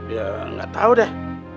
ya gak tau deh